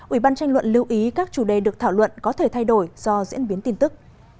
ủy ban tranh luận lưu ý các chủ đề được thảo luận có thể thay đổi do diễn biến tin tức